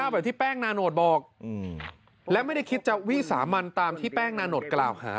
แบบที่แป้งนาโนตบอกและไม่ได้คิดจะวิสามันตามที่แป้งนาโนดกล่าวหา